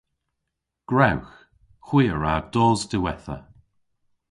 Gwrewgh! Hwi a wra dos diwettha.